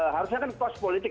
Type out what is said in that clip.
harusnya kan kos politik